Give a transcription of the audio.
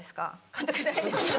監督じゃないですけど。